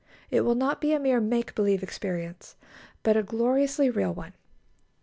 It will not be a mere "make believe" experience, but a gloriously real one.